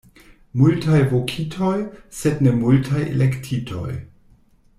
Multaj vokitoj, sed ne multaj elektitoj.